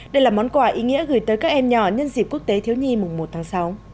đây là món quà ý nghĩa gửi tới các em nhỏ nhân dịp quốc tế thiếu nhi mùng một tháng sáu